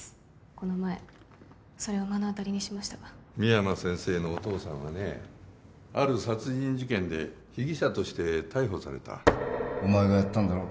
この前それを目の当たりにしましたが深山先生のお父さんはねある殺人事件で被疑者として逮捕されたお前がやったんだろう？